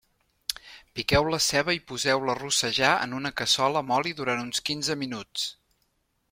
Piqueu la ceba i poseu-la a rossejar en una cassola amb oli durant uns quinze minuts.